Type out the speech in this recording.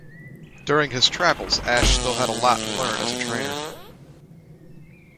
During his travels, Ash still had a lot to learn as a trainer.